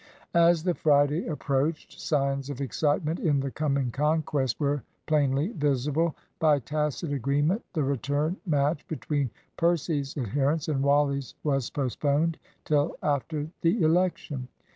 As the Friday approached, signs of excitement in the coming conquest were plainly visible. By tacit agreement the return match between Percy's adherents and Wally's was postponed till after the election.